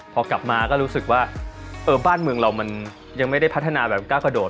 พอกลับมาก็รู้สึกว่าเออบ้านเมืองเรามันยังไม่ได้พัฒนาแบบก้าวกระโดด